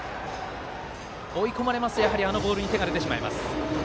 追い込まれますとあのボールに手が出てしまいます。